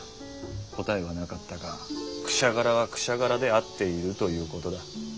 答えはなかったが「くしゃがら」は「くしゃがら」で合っているということだ。